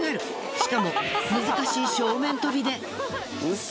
しかも難しい正面跳びで。